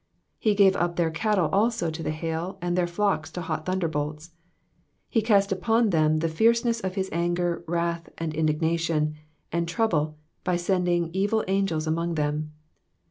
48 He gave up their cattle also to the hail, and their flocks to hot thunderbolts. 49 He cast upon them the fierceness of his anger, wrath, and indignation, and trouble, by sending evil angels among them.